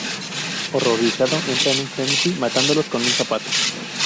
Horrorizado, entra en un frenesí, matándolos con un zapato.